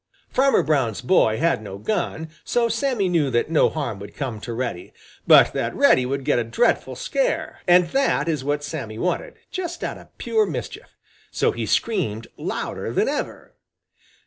Farmer Brown's boy had no gun, so Sammy knew that no harm would come to Reddy, but that Reddy would get a dreadful scare; and that is what Sammy wanted, just out of pure mischief. So he screamed louder than ever.